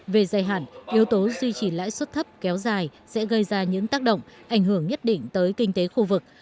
về dài hạn yếu tố duy trì lãi suất thấp kéo dài sẽ gây ra những tác động ảnh hưởng nhất định tới kinh tế khu vực